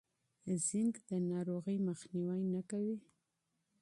زینک د ناروغۍ مخنیوی نه کوي.